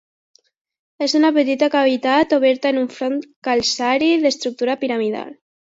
És una petita cavitat oberta en un front calcari d'estructura piramidal.